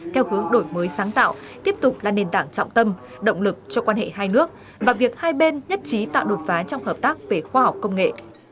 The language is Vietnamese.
theo hướng đổi mới sáng tạo tiếp tục là nền tảng trọng tâm động lực cho quan hệ hai nước và việc hai bên nhất trí tạo đột phá trong hợp tác về khoa học công nghệ